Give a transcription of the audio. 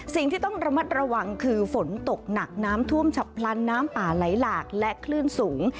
สิ่งที่ต้องระมัดระวังคือฝนตกหนักน้ำท่วมฉับพลันน้ำป่าไหลหลากและคลื่นสูง